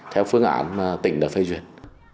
theo phương án tỉnh đã phê duyệt